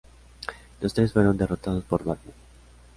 Los tres fueron derrotados por Batman.